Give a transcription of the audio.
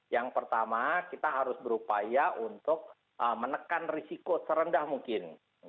yang pertama kita harus berupaya untuk menekan risiko serendah mungkin